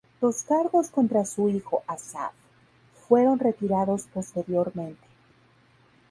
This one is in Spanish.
Los cargos contra su hijo, Asaf, fueron retirados posteriormente.